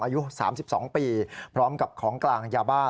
อายุ๓๒ปีพร้อมกับของกลางยาบ้า